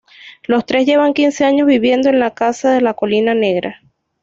Los tres llevan quince años viviendo en la casa de la Colina Negra.